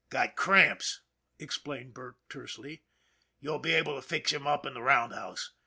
" Got cramps," explained Burke tersely. " You'll be able to fix him up in the roundhouse.